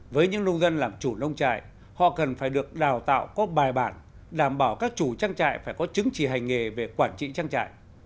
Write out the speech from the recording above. với những nông dân làm chủ nông trại họ cần phải được đào tạo có bài bản đảm bảo các chủ trang trại phải có chứng chỉ hành nghề về quản trị trang trại